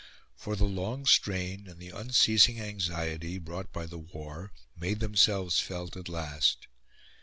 For the long strain and the unceasing anxiety, brought by the war, made themselves felt at last.